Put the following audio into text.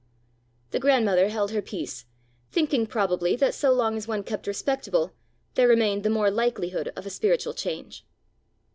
The grandmother held her peace, thinking probably that so long as one kept respectable, there remained the more likelihood of a spiritual change.